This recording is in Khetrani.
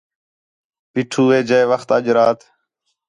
پیٹھو ہے، جئے وخت اَج رات